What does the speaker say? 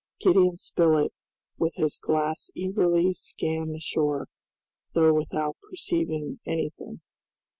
Gideon Spilett with his glass eagerly scanned the shore, though without perceiving anything.